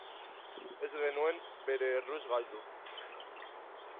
Ez genuen bere erruz galdu.